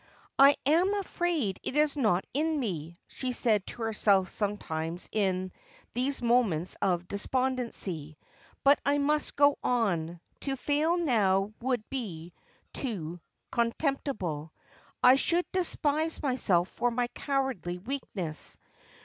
' I am afraid it is not in nie, ! she said to herself sometimes in these moments of despondency. ' But I must go on. To fail now would be too contemptible. I should despise myself for my cowardly weakness.'